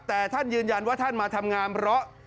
แต่ท่านยืนยันว่าท่านมาทำงานเพราะ